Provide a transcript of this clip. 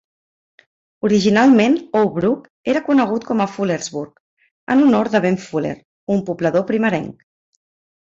Originalment Oak Brook era conegut com a Fullersburg, en honor de Ben Fuller, un poblador primerenc.